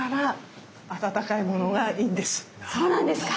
実はそうなんですか！